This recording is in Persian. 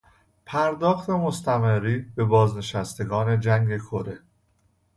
پرداخت مستمری به بازنشستگان جنگ کره